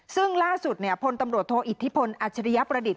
ซึ่งล่าสุดพลตำรวจโทอิทธิพลอัจฉริยประดิษฐ